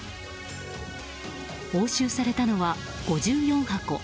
押収されたのは５４箱。